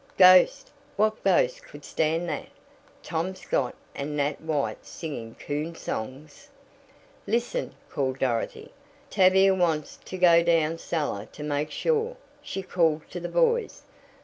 Ghost! What ghost could stand that? Tom Scott and Nat White singing coon songs! "Listen!" called Dorothy. "Tavia wants you to go down cellar to make sure," she called to the boys.